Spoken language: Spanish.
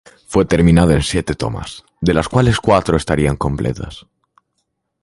Fue terminada en siete tomas, de las cuales cuatro estarían completas.